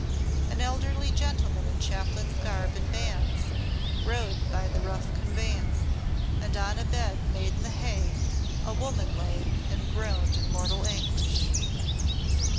An elderly gentleman in Chaplain's garb and bands rode by the rough conveyance, and on a bed made in the hay a woman lay and groaned in mortal anguish.